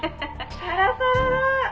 「サラサラだ！」